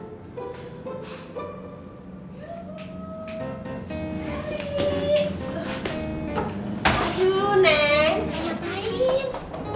lagi lagi gue mau bebe pihan